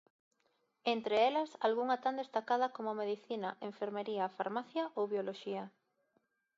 Entre elas, algunha tan destacada como Medicina, Enfermería, Farmacia ou Bioloxía.